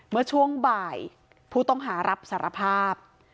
เมื่อช่วงบ่ายผู้ต้องหารับสารภาพ